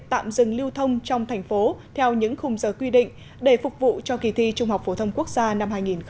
tạm dừng lưu thông trong thành phố theo những khung giờ quy định để phục vụ cho kỳ thi trung học phổ thông quốc gia năm hai nghìn một mươi chín